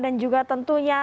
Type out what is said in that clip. dan juga tentunya